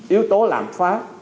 yếu tố làm phát